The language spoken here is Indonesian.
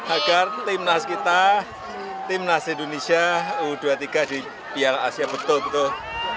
agar timnas kita timnas indonesia u dua puluh tiga di piala asia betul betul